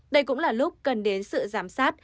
đây cũng là lúc cần đến sự giám sát